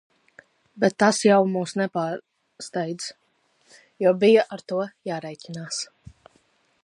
Bet tas jau mūs nepārsteidz, jo bija ar to jārēķinās.